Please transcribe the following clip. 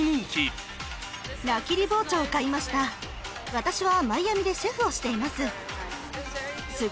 私は。